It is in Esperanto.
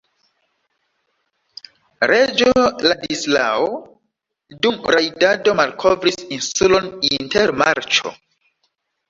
Reĝo Ladislao dum rajdado malkovris insulon inter marĉo.